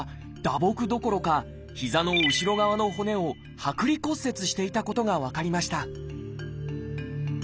打撲どころか膝の後ろ側の骨を剥離骨折していたことが分かりました